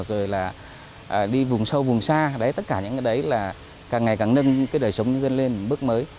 rồi là đi vùng sâu vùng xa đấy tất cả những cái đấy là càng ngày càng nâng cái đời sống nhân dân lên bước mới